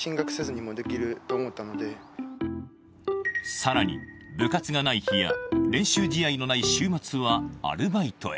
更に部活がない日や練習試合のない週末はアルバイトへ。